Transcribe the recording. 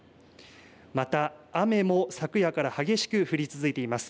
また雨も昨夜から激しく降り続いています。